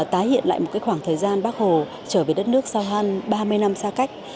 tái hiện lại một khoảng thời gian bác hồ trở về đất nước sau hơn ba mươi năm xa cách